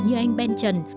như anh ben trần